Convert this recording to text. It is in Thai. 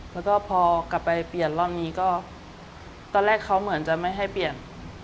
แล้วก็พอกลับไปเปลี่ยนรอบนี้ก็ตอนแรกเขาเหมือนจะไม่ให้เปลี่ยน